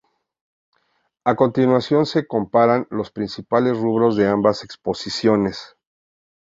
A continuación se comparan los principales rubros de ambas exposiciones.